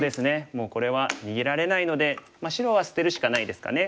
もうこれは逃げられないので白は捨てるしかないですかね。